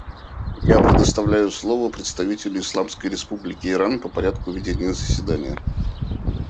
Я предоставляю слово представителю Исламской Республики Иран по порядку ведения заседания.